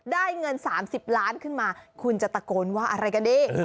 ได้เงิน๓๐ล้านขึ้นมาคุณจะตะโกนว่าอะไรกันดี